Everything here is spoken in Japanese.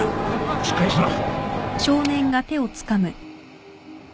しっかりしろ